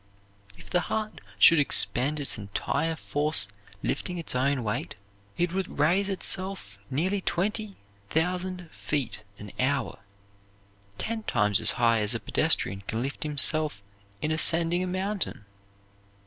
If the heart should expend its entire force lifting its own weight, it would raise itself nearly twenty thousand feet an hour, ten times as high as a pedestrian can lift himself in ascending a mountain.